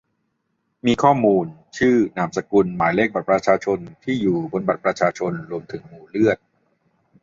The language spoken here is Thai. มีข้อมูล ชื่อ นามสกุล หมายเลขบัตรประชาชน ที่อยู่ บนบัตรประชาชน รวมถึงหมู่เลือด